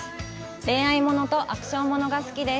恋愛ものとアクションものが好きです。